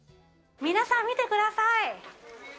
皆さん、見てください。